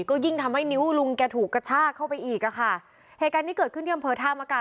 ก็ยิ่งทำให้นิ้วลุงแกถูกกระชากเข้าไปอีกอ่ะค่ะเหตุการณ์นี้เกิดขึ้นที่อำเภอท่ามกา